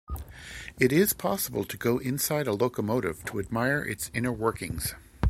It is possible to go inside a locomotive to admire its inner workings.